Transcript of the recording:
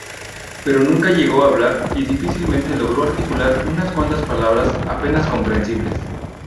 Pero nunca llegó a hablar y difícilmente logró articular unas cuantas palabras, apenas comprensibles.